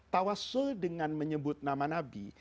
tawasul dengan menyebut nama nabi